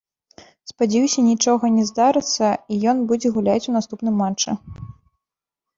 Спадзяюся нічога не здарыцца і ён будзе гуляць у наступным матчы.